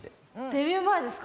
デビュー前ですか？